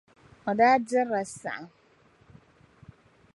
O daa dirila saɣim.